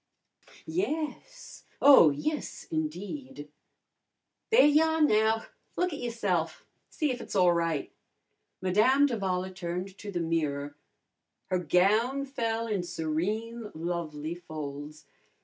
"Yes! Oh, yes, indeed!" "There y'ah now! Look at youse'f! See if it's a'right." Madame d'Avala turned to the mirror. Her gown fell in serene, lovely folds.